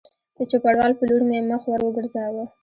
د چوپړوال په لور مې مخ ور وګرځاوه